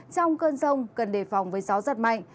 trong cơn rông cần đề phòng với gió giật mạnh